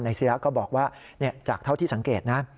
ศิราก็บอกว่าจากเท่าที่สังเกตนะ